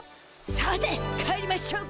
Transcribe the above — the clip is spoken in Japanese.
さて帰りましょうか。